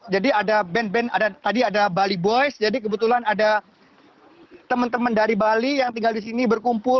jadi ada band band tadi ada bali boys jadi kebetulan ada teman teman dari bali yang tinggal di sini berkumpul